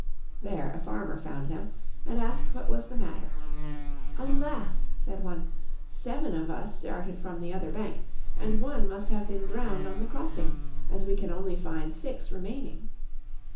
There a farmer found them and asked what was the matter. 'Alas!' said one, 'seven of us started from the other bank and one must have been drowned on the crossing, as we can only find six remaining!